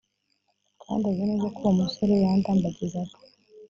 kandi azi neza ko uwo musore yandambagizaga